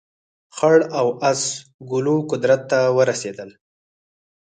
خړ او اس ګلو قدرت ته ورسېدل.